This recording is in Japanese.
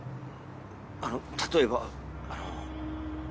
あの例えばあの。